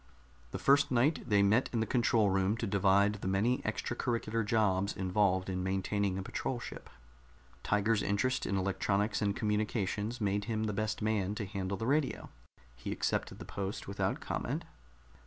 The first night they met in the control room to divide the many extracurricular jobs involved in maintaining a patrol ship. Tiger's interest in electronics and communications made him the best man to handle the radio; he accepted the post without comment.